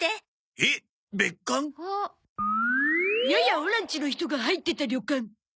ややオラんちの人が入ってった旅館。